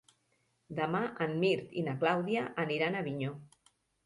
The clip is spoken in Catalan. Demà en Mirt i na Clàudia aniran a Avinyó.